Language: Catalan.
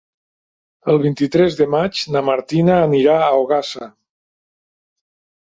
El vint-i-tres de maig na Martina anirà a Ogassa.